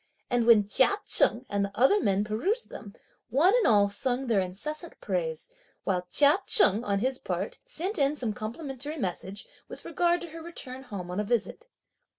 And when Chia Cheng and the other men perused them, one and all sung their incessant praise, while Chia Cheng, on his part, sent in some complimentary message, with regard to her return home on a visit.